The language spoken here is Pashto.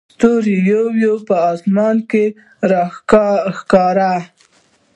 ستوري یو یو په اسمان کې راښکاري.